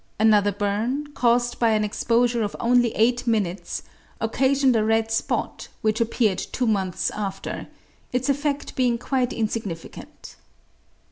Another burn, caused by an exposure of only eight minutes, occasioned a red spot which appeared two months after, its effed being quite insignificant.